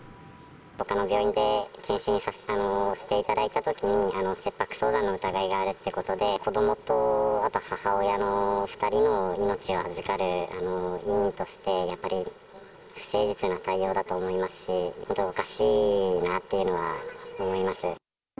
ほかの病院で健診していただいたときに、切迫早産の疑いがあるということで、子どもとあと、母親の２人の命を預かる医院として、やっぱり、不誠実な対応だと思いますし、おかしいなっていうのは思います。